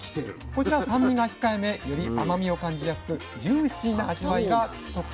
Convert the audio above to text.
こちらは酸味が控えめより甘みを感じやすくジューシーな味わいが特徴です。